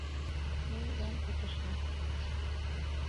Ну, ужам, пытышна!